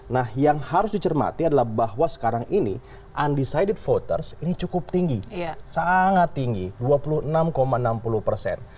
nah yang harus dicermati adalah bahwa sekarang ini undecided voters ini cukup tinggi sangat tinggi dua puluh enam enam puluh persen